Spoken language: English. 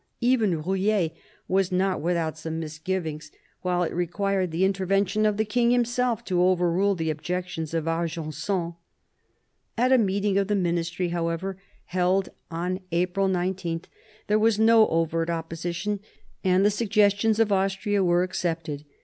Even Rouille was not without some misgivings, while it required the intervention of the king himself to over rule the objections of D'Argenson. At a meeting of the ministry, however, held on April 19, there was no overt opposition, and the suggestions of Austria were accepted.